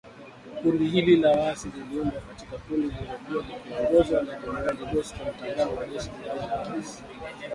Kundi hili la waasi liliundwa kutoka kundi lililokuwa likiongozwa na Jenerali Bosco Ntaganda wa Jeshi lingine la waasi.